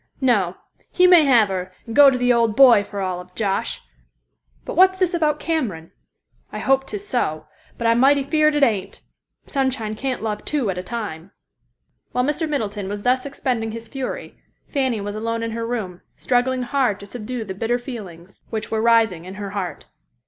No; he may have her and go to the old boy for all of Josh. But what's this about Cameron? I hope 'tis so, but I'm mighty feared it ain't. Sunshine can't love two at a time." While Mr. Middleton was thus expending his fury, Fanny was alone in her room, struggling hard to subdue the bitter feelings which were rising in her heart.